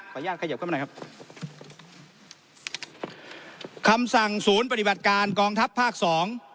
ขยับขยิบเข้ามาหน่อยครับคำสั่งศูนย์ปฏิบัติการกองทัพภาคสอง